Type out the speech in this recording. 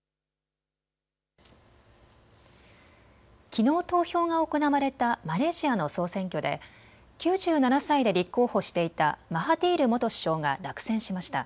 きのう投票が行われたマレーシアの総選挙で９７歳で立候補していたマハティール元首相が落選しました。